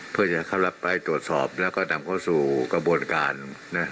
เพื่อจะเข้ารับไปตรวจสอบแล้วก็นำเข้าสู่กระบวนการนะ